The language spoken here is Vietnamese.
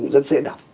rất dễ đọc